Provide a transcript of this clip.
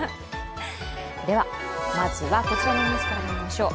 まずはこちらのニュースからまいりましょう。